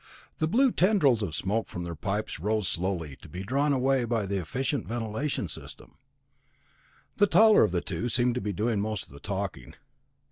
The blue tendrils of smoke from their pipes rose slowly, to be drawn away by the efficient ventilating system. The taller of the two seemed to be doing most of the talking.